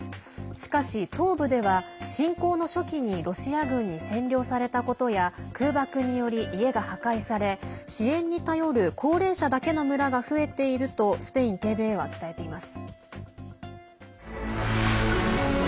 しかし、東部では侵攻の初期にロシア軍に占領されたことや空爆により家が破壊され支援に頼る高齢者だけの村が増えているとスペインＴＶＥは伝えています。